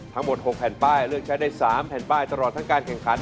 ทั้งหมด๖แผ่นป้ายเลือกใช้ได้๓แผ่นป้ายตลอดทั้งการแข่งขัน